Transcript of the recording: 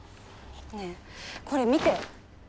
ねえこれ見て。